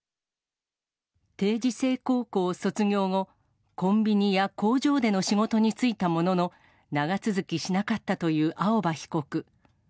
定時制高校を卒業後、コンビニや工場での仕事に就いたものの、長続きしなかったという青葉被告。